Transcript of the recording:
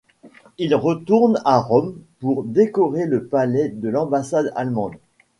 Il retourne à Rome pour décorer le palais de l'ambassade allemande.